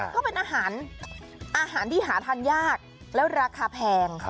ก็เป็นอาหารที่หาทานยากแล้วราคาแพง